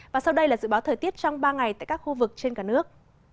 và sau đây là dự báo thời tiết trong ba ngày tại các khu vực trên cả nước